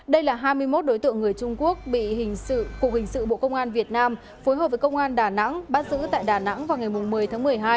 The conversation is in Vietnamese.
đây là hai mươi một đối tượng người trung quốc bị hình sự cục hình sự bộ công an việt nam phối hợp với công an đà nẵng bắt giữ tại đà nẵng vào ngày một mươi tháng một mươi hai